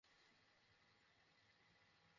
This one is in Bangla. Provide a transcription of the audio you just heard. তাছাড়া, আমার এসব কাজ করার যথেষ্ট অবসর।